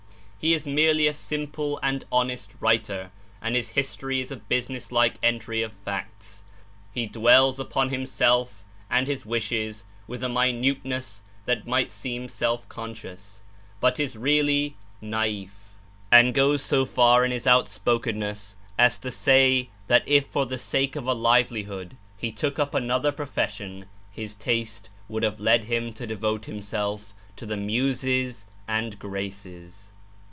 He is merely a simple and honest writer, and his history is a business like entry of facts. He dwells upon himself and his wishes with a minuteness that might seem self conscious, but is really naif; and goes so far in his outspokenness as to say that if for the sake of a livelihood he took up another profession, his taste would have led him to devote himself to the Muses and Graces.